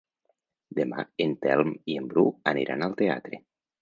Demà en Telm i en Bru aniran al teatre.